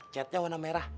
catnya warna merah